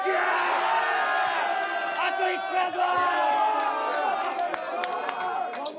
あと１勝だぞ！